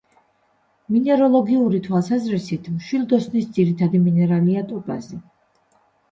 მინეროლოგიური თვალსაზრისით, მშვილდოსნის ძირითადი მინერალია: ტოპაზი.